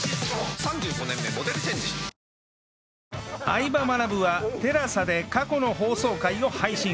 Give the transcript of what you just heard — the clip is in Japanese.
『相葉マナブ』は ＴＥＬＡＳＡ で過去の放送回を配信